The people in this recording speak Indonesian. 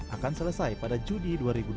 akan selesai pada juni dua ribu dua puluh